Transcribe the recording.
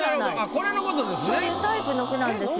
これの事ですね。